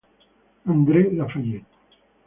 Andrée Lafayette